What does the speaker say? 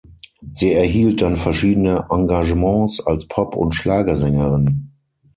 Sie erhielt dann verschiedene Engagements als Pop- und Schlagersängerin.